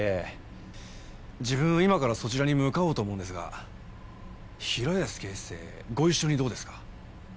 自分今からそちらに向かおうと思うんですが平安警視正ご一緒にどうですか？